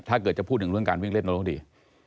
ถ้าเกิดจะพูดถึงเรื่องการวิ่งเล่นเราต้องดี